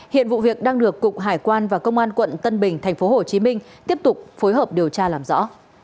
hiện vụ việc đang được cục hải quan và công an quận tân bình tp hcm tiếp tục phối hợp điều tra làm rõ